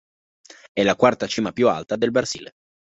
È la quarta cima più alta del Brasile.